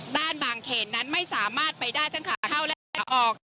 ด้านบางเขตนั้นไม่สามารถไปได้ทั้งข้าวและออก